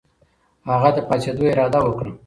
هغه د پاڅېدو اراده وکړه.